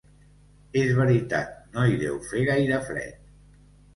És veritat, no hi deu fer gaire fred.